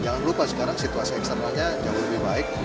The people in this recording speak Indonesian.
jangan lupa sekarang situasi eksternalnya jauh lebih baik